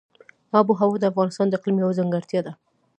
آب وهوا د افغانستان د اقلیم یوه ځانګړتیا ده.